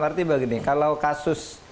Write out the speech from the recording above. arti begini kalau kasus